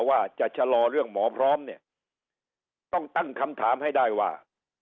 ว่าจะชะลอเรื่องหมอพร้อมเนี่ยต้องตั้งคำถามให้ได้ว่า